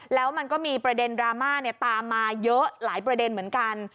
แล้วมันก็มีประเด็นดราม่าตามมาเยอะหลายประเด็นเหมือนกัน